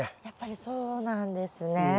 やっぱりそうなんですね。